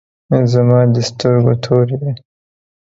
زما د سترګو تور یی